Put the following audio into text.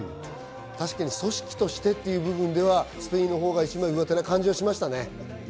組織としてという部分ではスペインのが上手な感じがしましたね。